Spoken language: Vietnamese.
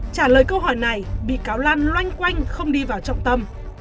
trả lời câu hỏi này bị cáo lan loanh quanh không đi vào trọng tâm